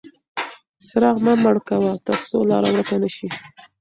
څراغ مه مړ کوه ترڅو لاره ورکه نه شي.